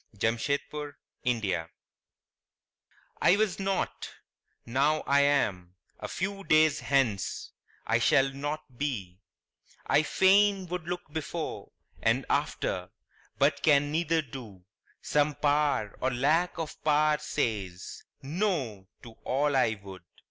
THE MYSTERY I was not; now I am a few days hence I shall not be; I fain would look before And after, but can neither do; some Power Or lack of power says "no" to all I would.